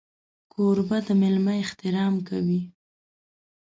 کوربه د مېلمه احترام کوي.